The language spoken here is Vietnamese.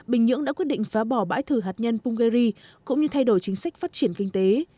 bình nhưỡng đã quyết định phá bỏ bãi thử hạt nhân punggeria cũng như thay đổi chính sách phát triển kinh tế